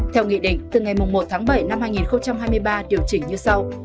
theo nghị định từ ngày một tháng bảy năm hai nghìn hai mươi ba điều chỉnh như sau